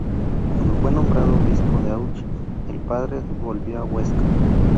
Cuando fue nombrado obispo de Auch, el padre volvió a Huesca.